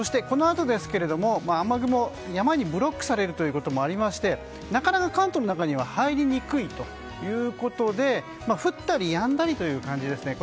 そして、このあとですけども雨雲が山にブロックされるということもありましてなかなか関東の中には入りにくいということで降ったりやんだりという感じです。